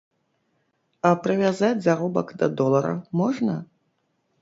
А прывязаць заробак да долара можна?